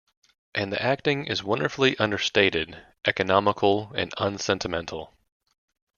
And the acting is wonderfully understated, economical and unsentimental.